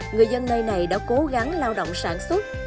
người dân nơi này đã cố gắng lao động sản xuất